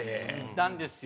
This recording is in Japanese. なんですよね。